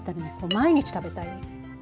毎日食べたい。